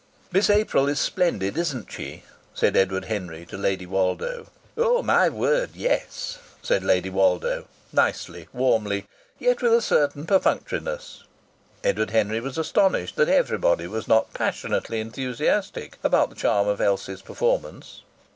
"Miss April is splendid, isn't she?" said Edward Henry to Lady Woldo. "Oh! My word, yes!" replied Lady Woldo, nicely, warmly, yet with a certain perfunctoriness. Edward Henry was astonished that everybody was not passionately enthusiastic about the charm of Elsie's performance.